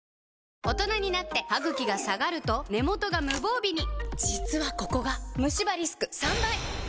大人になってハグキが下がると根元が無防備に実はここがムシ歯リスク３倍！